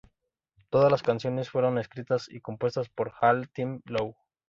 Todas las canciones fueron escritas y compuestas por All Time Low.